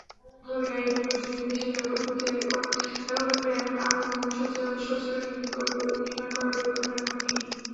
তবে নারী-পুরুষনির্বিশেষে ব্যবহার করতে পারে এমন আরও গণশৌচাগার নির্মাণ করার পরিকল্পনা এখনো নেই।